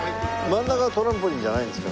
真ん中はトランポリンじゃないんですか？